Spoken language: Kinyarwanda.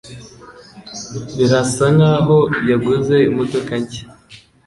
Birasa nkaho yaguze imodoka nshya.